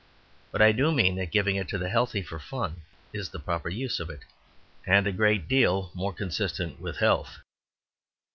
But I do mean that giving it to the healthy for fun is the proper use of it, and a great deal more consistent with health.